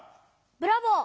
ブラボー。